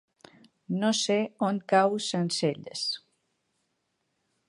No sé on cau Sencelles.